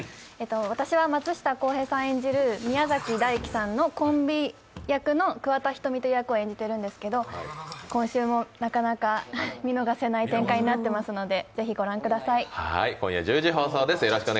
私は松下洸平さん演じる宮崎大輝さんのコンビ役の桑田仁美という役を演じているんですけど、今週もなかなか見逃せない展開になっていますので是非ご覧ください。